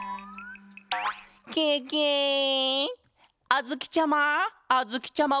あづきちゃま！